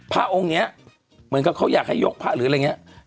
พระองค์นี้เหมือนกับเขาอยากให้ยกพระหรืออะไรอย่างนี้